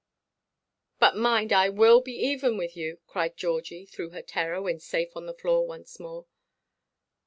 "But mind, I will be even with you," cried Georgie, through her terror, when safe on the floor once more.